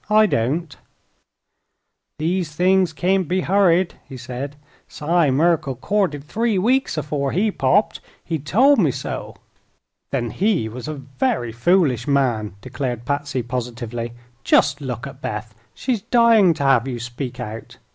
I don't." "These things kain't be hurried," he said. "Si Merkle courted three weeks afore he popped. He tol' me so." "Then he was a very foolish man," declared Patsy, positively. "Just look at Beth! She's dying to have you speak out.